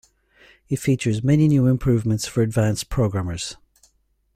It features many new improvements for advanced programmers.